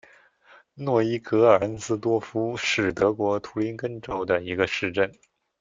诺伊格尔恩斯多夫是德国图林根州的一个市镇。